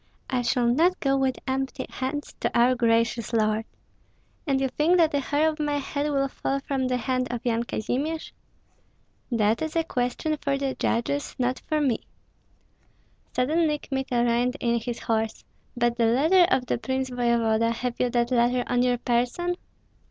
I shall not go with empty hands to our gracious lord." "And you think that a hair of my head will fall from the hand of Yan Kazimir?" "That is a question for the judges, not for me." Suddenly Kmita reined in his horse: "But the letter of the prince voevoda, have you that letter on your person?"